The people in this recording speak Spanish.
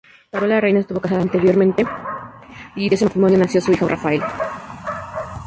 Carola Reyna estuvo casada anteriormente y de ese matrimonio nació su hijo Rafael.